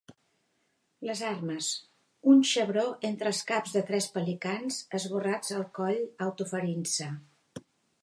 Les armes: Un xebró entre els caps de tres pelicans esborrats al coll autoferint-se.